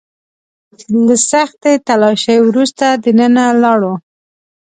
له سختې تلاشۍ وروسته دننه لاړو.